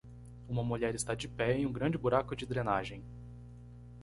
Uma mulher está de pé em um grande buraco de drenagem.